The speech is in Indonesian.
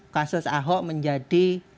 kasus ahok menjadi